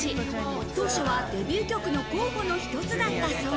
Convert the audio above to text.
当初はデビュー曲の候補の一つだったそう。